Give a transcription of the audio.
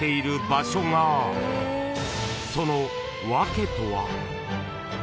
［その訳とは？］